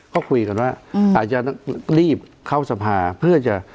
ก็คุยกันว่าอาจจะรีบเข้าสภาเพื่อจะ